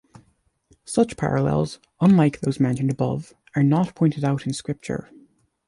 Such parallels, unlike those mentioned above, are not pointed out in Scripture.